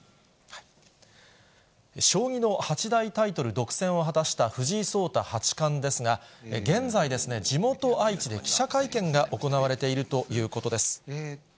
将棋の八大タイトル独占を果たした藤井聡太八冠ですが、現在ですね、地元、愛知で記者会見が行われているということです。